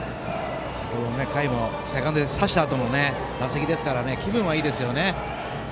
先ほどセカンドで刺したあとの打席ですから気分はいいですよね。